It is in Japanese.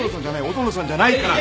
音野さんじゃないから！